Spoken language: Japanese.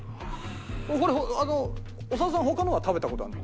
これ長田さん他のは食べた事あるの？